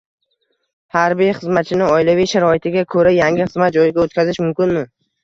harbiy xizmatchini oilaviy sharoitiga ko‘ra yangi xizmat joyiga o‘tkazish mumkinmi?